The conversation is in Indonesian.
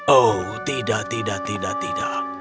oh tidak tidak tidak